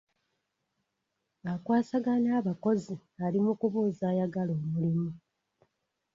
Akwasaganya abakozi ali mu kubuuza ayagala omulimu.